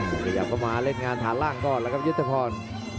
อื้อหือขยับกระมาณเล่นงานฐานล่างก่อนแล้วกับยุทธพร